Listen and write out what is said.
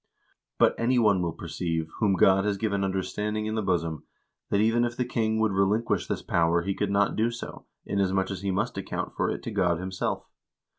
But any one will perceive, whom God has given understanding in the bosom, that even if the king would relinquish this power he could not do so, inasmuch as he must account for it to God himself.